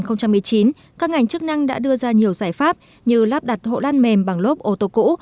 năm hai nghìn một mươi chín các ngành chức năng đã đưa ra nhiều giải pháp như lắp đặt hộ lan mềm bằng lốp ô tô cũ